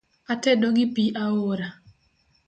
Atedo gi pii aora